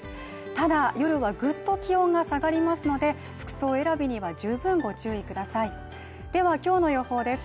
ただ夜はぐっと気温が下がりますので服装選びには十分ご注意くださいではきょうの予報です